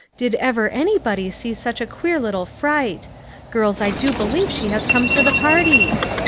Did ever any body see such a queer little fright ! Girls, I do believe she has come to the party."